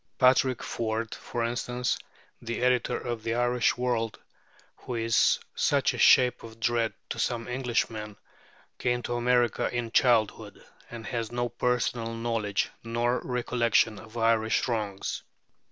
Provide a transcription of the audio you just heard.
Patrick Ford, for instance, the editor of the Irish World, who is such a shape of dread to some Englishmen, came to America in childhood, and has no personal knowledge nor recollection of Irish wrongs.